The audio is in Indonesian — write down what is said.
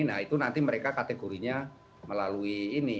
nah itu nanti mereka kategorinya melalui ini